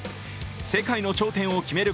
世界の頂点を決める